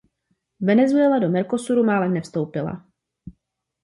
Venezuela do Mercosuru málem nevstoupila.